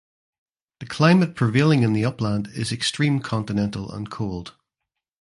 The climate prevailing in the upland is extreme continental and cold.